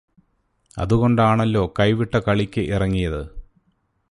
അതുകൊണ്ടാണല്ലോ കൈവിട്ട കളിയ്ക്ക് ഇറങ്ങിയത്.